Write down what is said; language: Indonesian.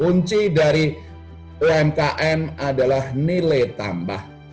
kunci dari umkm adalah nilai tambah